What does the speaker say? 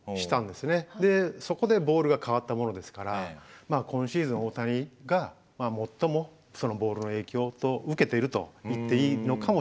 そこでボールが変わったものですから今シーズン大谷が最もそのボールの影響を受けていると言っていいのかもしれませんね。